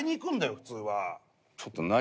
普通は。